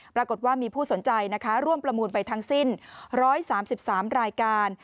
ปรากฏว่ามีผู้สนใจนะคะร่วมประมูลไปทั้งสิ้น๑๓๓รายการ